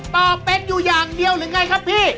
ตอบเป็นอยู่อย่างเดียวหรือไงครับพี่